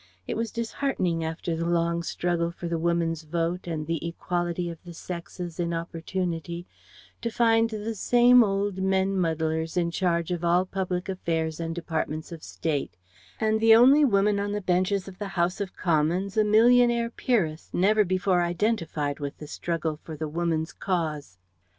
It was disheartening after the long struggle for the Woman's Vote and the equality of the sexes in opportunity to find the same old men muddlers in charge of all public affairs and departments of state, and the only woman on the benches of the House of Commons a millionaire peeress never before identified with the struggle for the Woman's Cause.